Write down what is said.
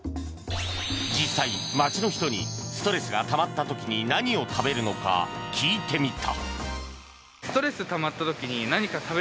実際街の人にストレスがたまった時に何を食べるのか聞いてみた